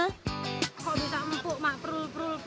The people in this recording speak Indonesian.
kok bisa empuk mak prul